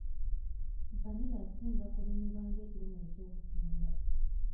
Vvanira asinga kulimibwa ng'ekirime eky'okutunda.